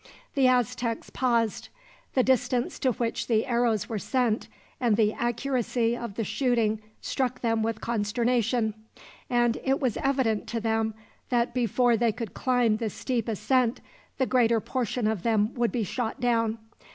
The Aztecs paused, the distance to which the arrows were sent, and the accuracy of the shooting struck them with consternation; and it was evident to them that before they could climb the steep ascent, the greater portion of them would be shot down.